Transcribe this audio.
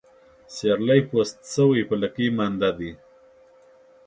سيرلى پوست سوى ، په لکۍ مانده دى.